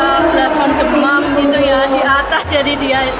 blason kemamp gitu ya di atas jadi dia